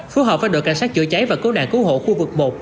phù hợp với đội cảnh sát chữa cháy và cứu nạn cứu hộ khu vực một